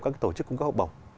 các tổ chức cũng có học bổng